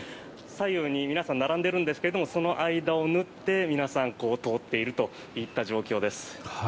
左右に皆さん並んでいるんですがその間を縫って、皆さん通っているといった状況です。